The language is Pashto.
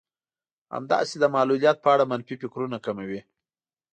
همداسې د معلوليت په اړه منفي فکرونه کموي.